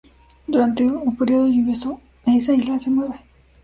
Durante o período lluvioso esa isla se mueve.